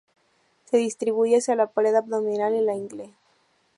Se distribuye hacia la pared abdominal y la ingle.